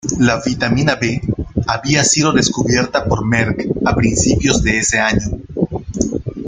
La vitamina B había sido descubierta por Merck a principios de ese año.